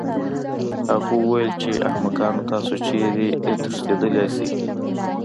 هغه وویل چې احمقانو تاسو چېرته تښتېدلی شئ